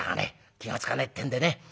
気が付かねえってんでね